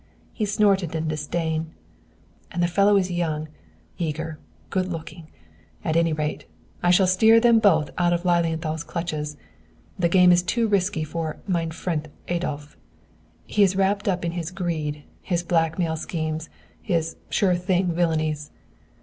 He snorted in disdain. "And the fellow is young, eager, good looking. At any rate, I shall steer them both out of Lilienthal's clutches. The game is too risky for 'mein frent Adolph.' He is wrapped up in his greed, his blackmail schemes, his 'sure thing' villainies.